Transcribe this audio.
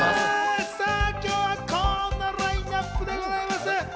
今日は、こんなラインナップでございます。